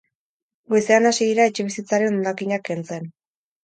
Goizean hasi dira etxebizitzaren hondakinak kentzen.